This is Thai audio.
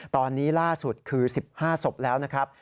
ตอนนี้ล่าสุดคือ๑๕ศพแล้วนะครับ